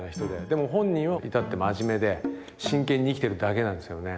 でも本人は至って真面目で真剣に生きてるだけなんですよね。